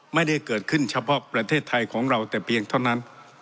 ไม่ได้เกิดขึ้นเฉพาะประเทศไทยของเราแต่เพียงเท่านั้น